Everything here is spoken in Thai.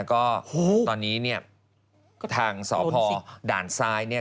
ก็ตอนนี้เนี่ยทางสพด่านซ้ายเนี่ย